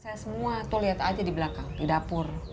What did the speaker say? saya semua tuh lihat aja di belakang di dapur